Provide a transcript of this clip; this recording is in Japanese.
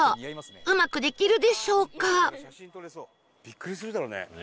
うまくできるでしょうか？